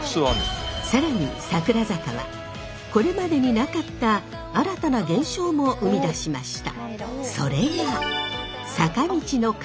更に桜坂はこれまでになかった新たな現象も生み出しました。